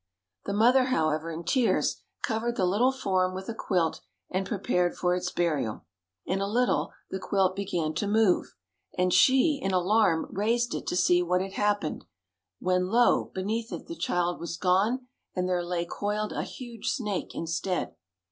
The mother, however, in tears, covered the little form with a quilt and prepared for its burial. In a little the quilt began to move, and she in alarm raised it to see what had happened, when lo! beneath it the child was gone and there lay coiled a huge snake instead.